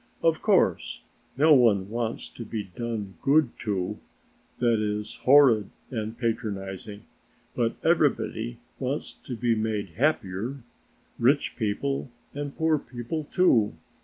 Of course no one wants to be done good to, that is horrid and patronizing, but everybody wants to be made happier, rich people: and poor people too.